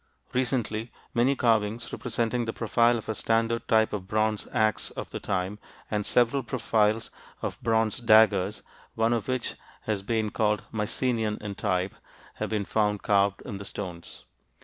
Recently, many carvings representing the profile of a standard type of bronze axe of the time, and several profiles of bronze daggers one of which has been called Mycenean in type have been found carved in the stones.